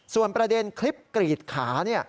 ส่วนประเด็นคลิปกรีดขา